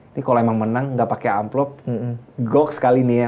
ini kalau emang menang gak pakai amplop gok sekali nih ya